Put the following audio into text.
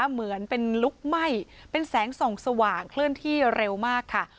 เหมือนเป็นลุกไหม้เป็นแสงส่องสว่างเคลื่อนที่เร็วมากค่ะ